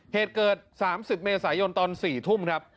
เหตุเกิดสามสิบเมษายนตอนสี่ทุ่มครับ